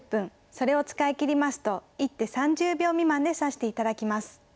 それを使い切りますと一手３０秒未満で指して頂きます。